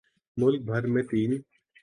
ملک بھر میں تین